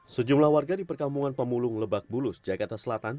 sejumlah warga di perkampungan pemulung lebak bulus jakarta selatan